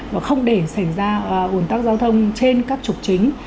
và không để xảy ra ủn tắc giao thông trên các trục chính